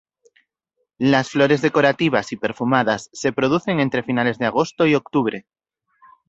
Las flores decorativas y perfumadas se producen entre finales de agosto y octubre.